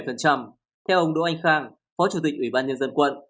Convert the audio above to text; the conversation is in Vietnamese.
theo ông đỗ anh khang phó chủ tịch ủy ban nhân dân quận